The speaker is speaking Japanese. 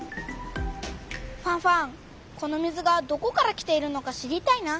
ファンファンこの水がどこから来ているのか知りたいな。